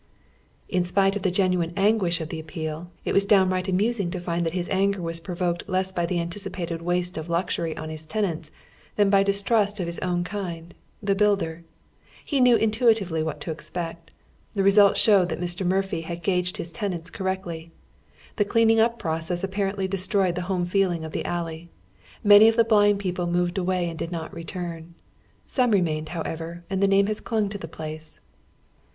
In spite of the genuine anguish of the appeal, it was downright amusing to find that his anger was provoked less by the anticipated waste of luxury on his tenants than by distrust of his own kind, the builder. He knew intui tively what to expect. Tlie result showed that Mr. Mur phy had gauged his tenants correctly. The cleaning np process apparently destroyed the home feeling of the al ley ; many of the blind people moved away and did not return. Some remained, however, and the name has clung to the place.